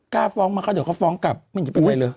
กล้าฟ้องมาเขาเดี๋ยวเขาฟ้องกลับมันจะเป็นอะไรเลย